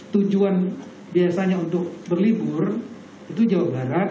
tujuan biasanya untuk berlibur itu jawa barat